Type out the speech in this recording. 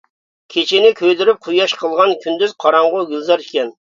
كېچىنى كۆيدۈرۈپ قۇياش قىلغان كۈندۈز قاراڭغۇ گۈلزار ئىكەن.